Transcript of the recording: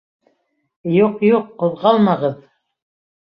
— Юҡ, юҡ, ҡуҙғалмағыҙ.